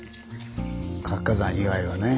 活火山以外はね。